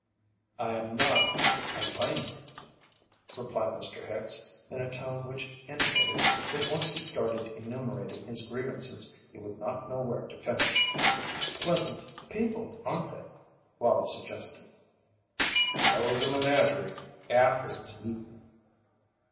"I am not complaining," replied Mr. Hicks, in a tone which intimated that once he started enumerating his grievances he would not know where to finish. "Pleasant people, aren't they?" Wallie suggested. "So is a menagerie after it's eaten."